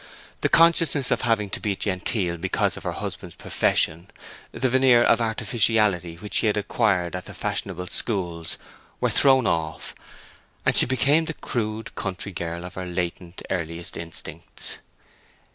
The consciousness of having to be genteel because of her husband's profession, the veneer of artificiality which she had acquired at the fashionable schools, were thrown off, and she became the crude, country girl of her latent, earliest instincts.